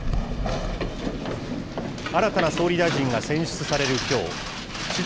新たな総理大臣が選出されるきょう。